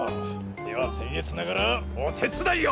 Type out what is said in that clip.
ではせんえつながらお手伝いを！